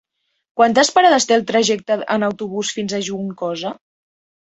Quantes parades té el trajecte en autobús fins a Juncosa?